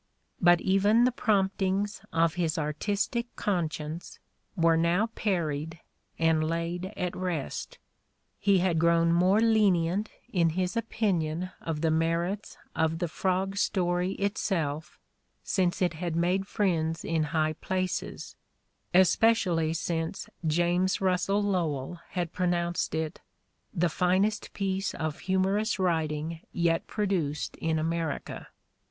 But even the promptings of his artistic conscience were now parried and laid at rest: "he had grown more lenient in his opinion of the merits of the 'Frog' story itself since it had made friends in high places, especially since James Russell Lowell had pronounced it 'the finest piece of humorous writing yet produced in America.'